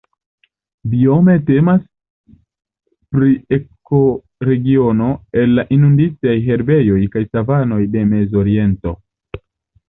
Biome temas pri ekoregiono el la inunditaj herbejoj kaj savanoj de Mezoriento.